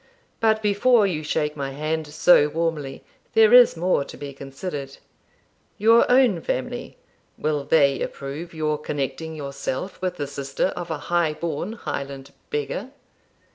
But before you shake my hand so warmly, there is more to be considered. Your own family will they approve your connecting yourself with the sister of a high born Highland beggar?'